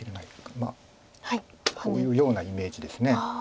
まあこういうようなイメージです。